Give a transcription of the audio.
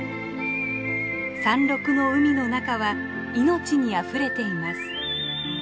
山ろくの海の中は命にあふれています。